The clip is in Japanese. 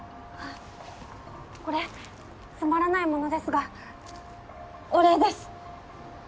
これつまらないものですがお礼です。